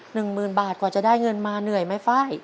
หนึ่งหมื่นบาทกว่าจะได้เงินมาเหนื่อยไหมไฟล์